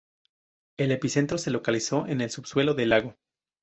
El epicentro se localizó en el subsuelo del lago.